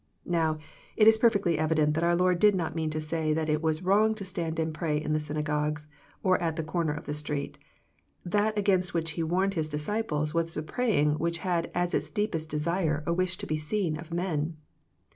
JSToW it is perfectly evident that our Lord did not mean to say it was wrong to stand and pray in the syna gogue or at the corner of the street. That against which He warned His disciples was the praying which had as its deepest desire a wish to be seen of men.